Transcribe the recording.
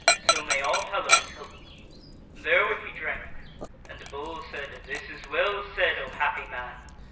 So may all Hallows help me!" Therewith he drank: and Bull said: "This is well said, O happy man!